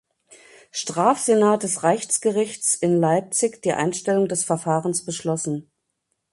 Strafsenat des Reichsgerichts in Leipzig die Einstellung des Verfahrens beschlossen.